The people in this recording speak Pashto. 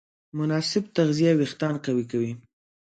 مناسب تغذیه وېښتيان قوي کوي.